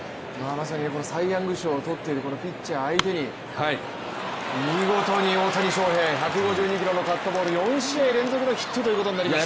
まさにサイ・ヤング賞をとっているピッチャー相手に見事に大谷翔平、１５２キロのカットボール、４試合連続のヒットということになりました。